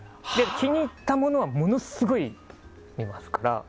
気に入ったものはものすごい見ますから。